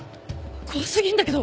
怖すぎんだけど。